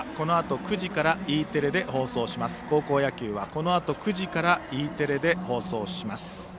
高校野球は、このあと９時からＥテレで放送します。